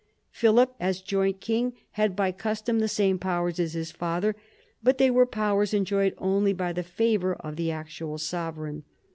Philip as joint king had by custom the same powers as his father, but they were powers enjoyed only by the favour of the actual sovereign.